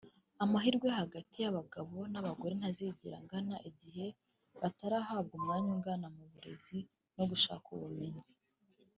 Amahirwe hagati y’abagabo n’abagore ntazigera angana igihe batarahabwa umwanya ungana mu burezi no gushaka ubumenyi